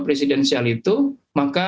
presidensial itu maka